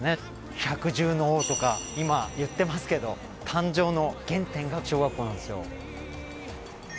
百獣の王とか今言ってますけど誕生の原点が小学校なんですよ。